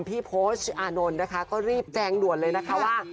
พี่โพชอานนท์นะคะก็รีบแจ้งด่วนเลยนะคะว่า